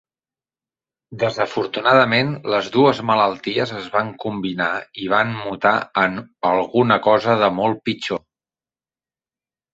Desafortunadament les dues malalties es van combinar i van mutar en alguna cosa de molt pitjor.